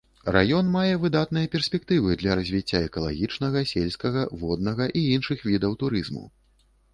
Раён мае выдатныя перспектывы для развіцця экалагічнага, сельскага, воднага і іншых відаў турызму.